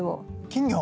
金魚？